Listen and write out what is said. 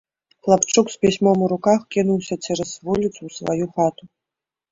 Хлапчук з пісьмом у руках кінуўся цераз вуліцу ў сваю хату.